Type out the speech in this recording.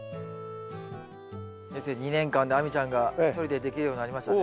先生２年間で亜美ちゃんが一人でできるようになりましたね。